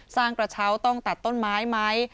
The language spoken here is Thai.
กระเช้าต้องตัดต้นไม้ไหม